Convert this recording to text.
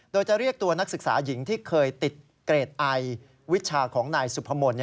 โดยจะเรียกตัวนักศึกษาหญิงที่เคยติดเกรดไอวิชาของนายสุพมนต์